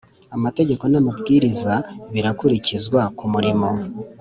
Amategeko n’amabwiriza birakurikizwa kumurimo